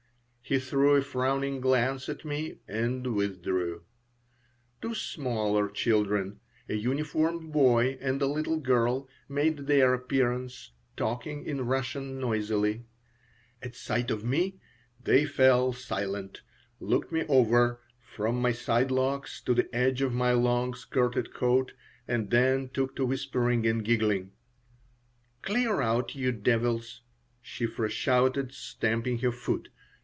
He threw a frowning glance at me, and withdrew. Two smaller children, a uniformed boy and a little girl, made their appearance, talking in Russian noisily. At sight of me they fell silent, looked me over, from my side locks to the edge of my long skirted coat, and then took to whispering and giggling "Clear out, you devils!" Shiphrah shouted, stamping her foot.